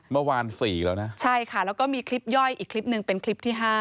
เมื่อวาน๔แล้วนะใช่ค่ะแล้วก็มีคลิปย่อยอีกคลิปหนึ่งเป็นคลิปที่๕